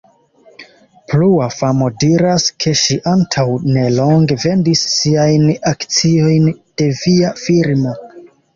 Plua famo diras, ke ŝi antaŭ nelonge vendis siajn akciojn de via firmo.